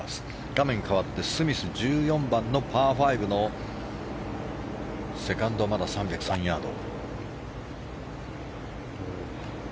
画面、スミス、１４番のパー５のセカンド、まだ３０３ヤード。